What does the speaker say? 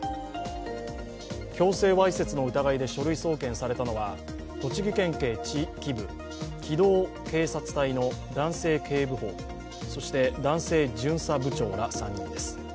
強制わいせつの疑いで書類送検されたのは、栃木県警地域部機動警察隊の男性警部補、そして、男性巡査部長ら３人です。